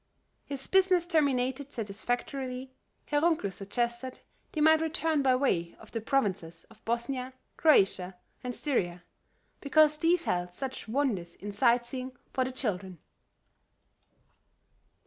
His business terminated satisfactorily, Herr Runkel suggested they might return by way of the provinces of Bosnia, Croatia and Styria, because these held such wonders in sightseeing for the children.